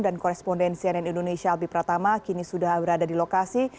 dan korespondensi ann indonesia albi pratama kini sudah berada di lokasi